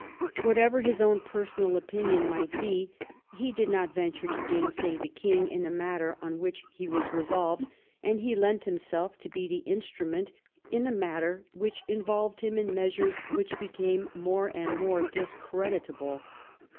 Whatever his own personal opinion might be, he did not venture to gainsay the king in a matter on which he was resolved, and he lent himself to be an instrument in a matter which involved him in measures which became more and IX THE KING'S DIVORCE 158 more discreditable.